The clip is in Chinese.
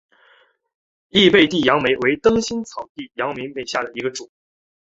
异被地杨梅为灯心草科地杨梅属下的一个种。